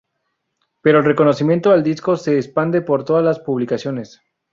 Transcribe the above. Pero el reconocimiento al disco se expande por todas las publicaciones.